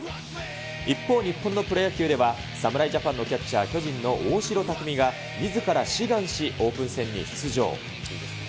一方、日本のプロ野球では、侍ジャパンのキャッチャー、巨人の大城卓三が、みずから志願し、オープン戦に出場。